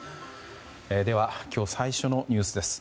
では、今日最初のニュースです。